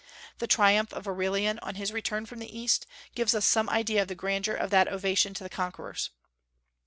The triumph of Aurelian, on his return from the East, gives us some idea of the grandeur of that ovation to conquerors.